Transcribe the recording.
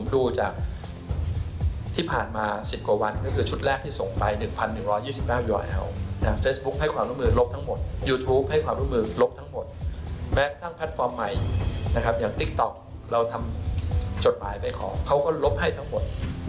แล้วพลัทฟอร์มใหม่นะครับอย่างติ๊กต๊อกเราทำจดหมายไปขอเขาก็ลบให้ทั้งหมด